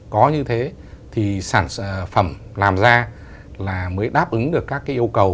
có như thế thì sản phẩm làm ra là mới đáp ứng được các cái yêu cầu